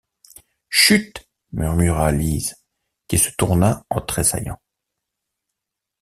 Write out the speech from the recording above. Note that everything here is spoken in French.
Chut ! murmura Lise, qui se tourna en tressaillant.